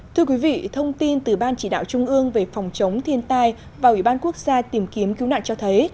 thưa quý vị thông tin từ ban chỉ đạo trung ương về phòng chống thiên tai và ủy ban quốc gia tìm kiếm cứu nạn cho thấy